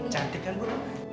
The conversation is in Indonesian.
cantik kan bu